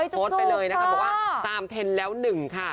โทษไปเลยนะครับบอกว่า๓เทรนด์แล้ว๑ค่ะ